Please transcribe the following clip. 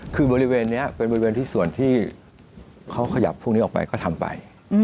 คือบริเวณนี้เป็นบริเวณที่ส่วนที่เขาขยับพวกนี้ออกไปก็ทำไป